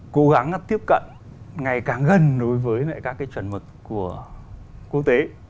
cố gắng được tiếp cận ngày càng gần đối với lại các cái chuẩn mật của quốc tế